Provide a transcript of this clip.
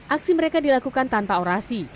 aksi mereka dilakukan tanpa orasi